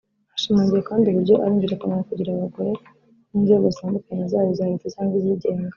Hashimangiwe kandi uburyo ari ingirakamaro kugira abagore mu nzego zitandukanye zaba iza leta cyangwa izigenga